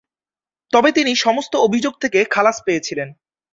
তবে তিনি সমস্ত অভিযোগ থেকে খালাস পেয়েছিলেন।